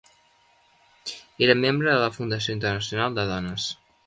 Era membre de la Fundació Internacional de Dones.